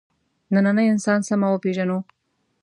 نننی انسان سمه وپېژنو.